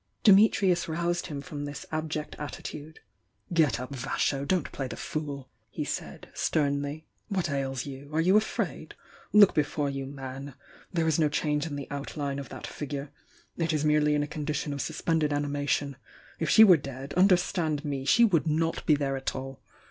Dimitrius roused him from this abject attitude. "Get up, Vasho! Don't play the fool!" he said, sternly. "What ails you? Are you afraid? Look before you, man! — there is no change in the outline of that figure — it is merely in a condition of sus pended animation. If she were dead — understand me! — she would not be there at all!